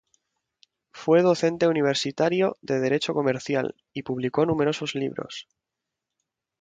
Fue docente universitario de Derecho Comercial, y publicó numerosos libros.